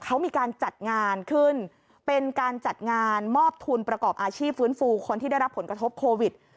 เขามีการจัดงานขึ้นเป็นการจัดงานมอบทุนประกอบอาชีพฟื้นฟูคนที่ได้รับผลกระทบโควิด